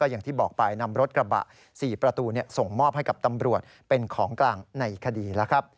อย่างที่บอกไปนำรถกระบะ๔ประตูส่งมอบให้กับตำรวจเป็นของกลางในคดีแล้วครับ